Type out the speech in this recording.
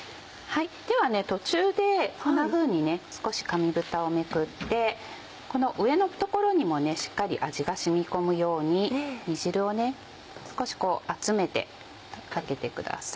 では途中でこんなふうに少し紙ぶたをめくってこの上の所にもしっかり味が染み込むように煮汁を少し集めてかけてください。